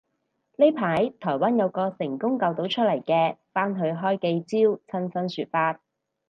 呢排台灣有個成功救到出嚟嘅返去開記招親身說法